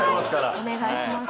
お願いします。